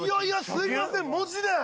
すみませんマジで。